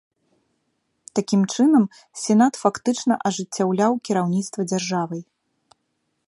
Такім чынам, сенат фактычна ажыццяўляў кіраўніцтва дзяржавай.